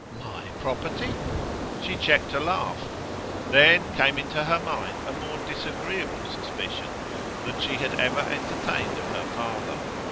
'My property ?' She checked a laugh. There came into her mind a more disagreeable suspicion than she had ever entertained of her father.